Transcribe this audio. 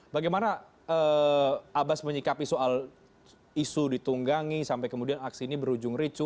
bagaimana abbas menyikapi soal isu ditunggangi sampai kemudian aksi ini berujung ricu